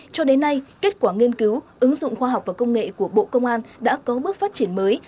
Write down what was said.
cho đến nay kết quả nghiên cứu ứng dụng khoa học và công nghệ của bộ công an đã có bước phát triển mới